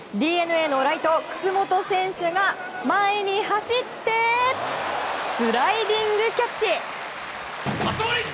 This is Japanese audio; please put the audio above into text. ＤｅＮＡのライト、楠本選手が前に走ってスライディングキャッチ！